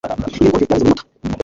Ibihe bikonje byageze muri Mata